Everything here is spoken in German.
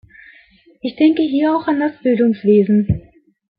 Ich denke hier auch an das Bildungswesen.